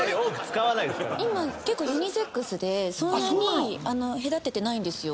今結構ユニセックスでそんなに隔ててないんですよ。